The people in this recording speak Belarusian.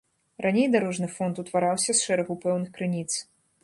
Раней дарожны фонд утвараўся з шэрагу пэўных крыніц.